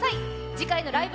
次回の「ライブ！